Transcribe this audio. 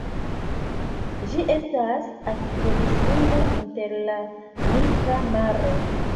Ĝi estas akvodislimo inter la Nigra Maro.